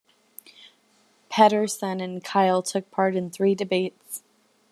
Pederson and Kyl took part in three debates.